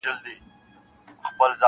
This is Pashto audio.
• په دې لویه وداني کي توتکۍ وه -